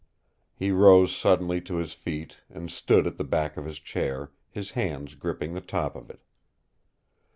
He rose suddenly to his feet and stood at the back of his chair, his hands gripping the top of it.